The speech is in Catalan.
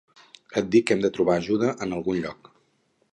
Et dic que hem de trobar ajuda en algun lloc.